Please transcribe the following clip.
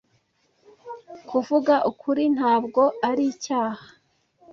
Kuvuga ukuri ntabwo ari icyaha.